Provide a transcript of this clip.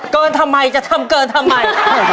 ทำไมจะทำเกินทำไม